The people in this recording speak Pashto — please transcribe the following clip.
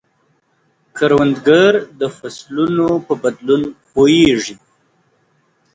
کروندګر د فصلونو په بدلون پوهیږي